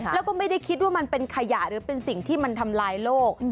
แล้วก็ไม่ได้คิดว่ามันเป็นขยะหรือเป็นสิ่งที่มันทำลายโลก